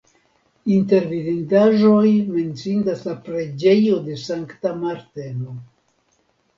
Inter vidindaĵoj menciindas la preĝejo de Sankta Marteno.